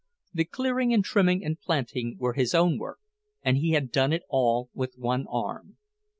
The clearing and trimming and planting were his own work, and he had done it all with one arm.